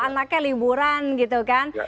anaknya liburan gitu kan